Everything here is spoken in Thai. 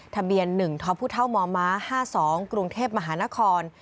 ทะเบียน๑ทพมม๕๒กรุงเทพมหานคร